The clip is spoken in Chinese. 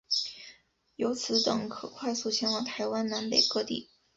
由此等可快速前往台湾南北各地。